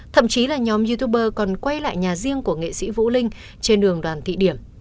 thậm chí là nhóm youtuber còn quay lại nhà riêng của nghệ sĩ vũ linh trên đường đoàn thị điểm